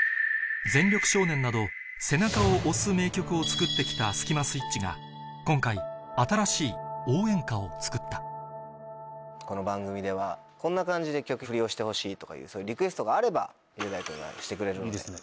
『全力少年』など背中を押す名曲を作って来たスキマスイッチが今回新しい応援歌を作ったこの番組ではこんな感じで曲フリをしてほしいとかいうリクエストがあれば雄大君がしてくれるので。